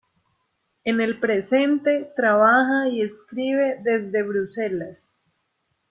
En el presente trabaja y escribe desde Bruselas.